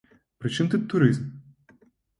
Пры чым тут турызм?